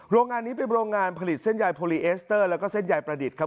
โรงงานนี้เป็นโรงงานผลิตเส้นยายโพลีเอสเตอร์แล้วก็เส้นใยประดิษฐ์ครับ